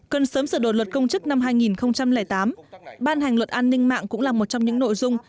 cần sớm sửa đổi luật công chức năm hai nghìn tám ban hành luật an ninh mạng cũng là một trong những nội dung